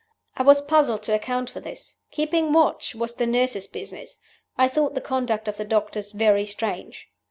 I was puzzled to account for this. Keeping watch was the nurse's business. I thought the conduct of the doctors very strange.